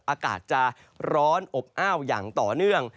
อากาศจะร้อนอบอ้าวอย่างต่อเนื่อง